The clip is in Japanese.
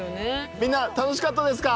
みんな楽しかったですか？